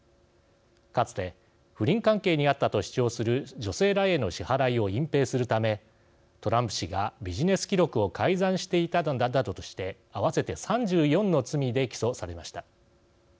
かつて不倫関係にあったと主張する女性らへの支払いを隠蔽するためトランプ氏がビジネス記録を改ざんしていたなどとして合わせて３４の罪で起訴されました。